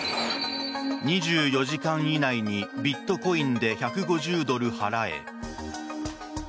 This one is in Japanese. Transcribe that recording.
２４時間以内にビットコインで１５０ドル払え。